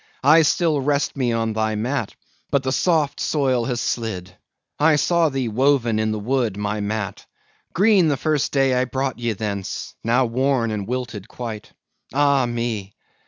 I still rest me on thy mat, but the soft soil has slid! I saw thee woven in the wood, my mat! green the first day I brought ye thence; now worn and wilted quite. Ah me!